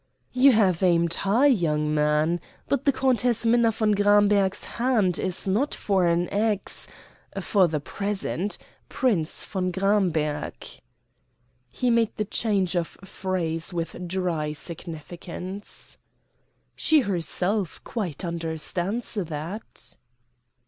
"You have aimed high, young man; but the Countess Minna von Gramberg's hand is not for an ex for the present Prince von Gramberg." He made the change of phrase with dry significance. "She herself quite understands that."